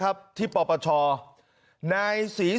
คุณสิริกัญญาบอกว่า๖๔เสียง